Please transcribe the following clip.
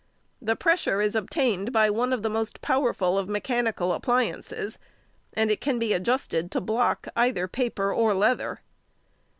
The pressure is obtained by one of the most powerful of mechanical appliances, and it can be adjusted to block either paper or leather.